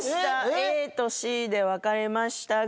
ＡとＣで分かれましたが。